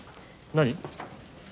何？